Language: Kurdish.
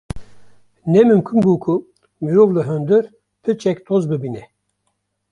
’’Ne mimkun bû ku mirov li hundir piçek toz bibîne.